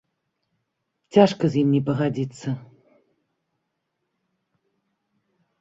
Цяжка з ім не пагадзіцца.